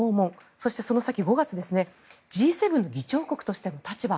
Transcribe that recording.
そして、その先５月Ｇ７の議長国としての立場